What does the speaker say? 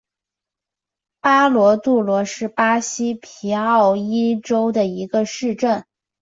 巴罗杜罗是巴西皮奥伊州的一个市镇。